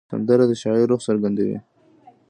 سندره د شاعر روح څرګندوي